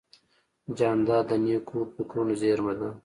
جانداد د نیکو فکرونو زېرمه ده.